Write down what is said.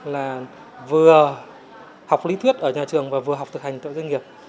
là vừa học lý thuyết ở nhà trường và vừa học thực hành tại doanh nghiệp